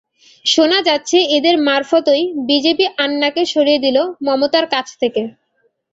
শোনা যাচ্ছে, এঁদের মারফতই বিজেপি আন্নাকে সরিয়ে দিল মমতার কাছ থেকে।